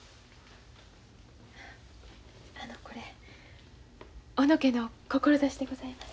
あのこれ小野家の志でございます。